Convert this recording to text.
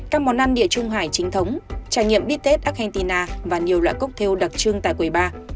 các món ăn địa chung hải chính thống trải nghiệm big tết argentina và nhiều loại cốc theo đặc trưng tại quầy ba